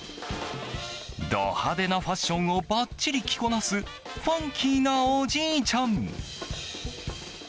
ド派手なファッションをばっちり着こなすファンキーなおじいちゃん。